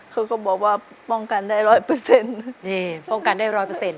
เขาก็บอกว่าป้องกันได้ร้อยเปอร์เซ็นต์นี่ป้องกันได้ร้อยเปอร์เซ็น